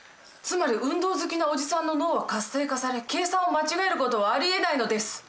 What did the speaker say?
つまり運動好きなおじさんの脳は活性化され計算を間違える事はありえないのです！